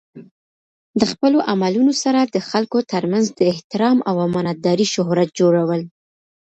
د خپلو عملونو سره د خلکو ترمنځ د احترام او امانت دارۍ شهرت جوړول.